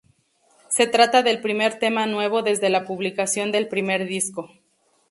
Se trata del primer tema nuevo desde la publicación del primer disco.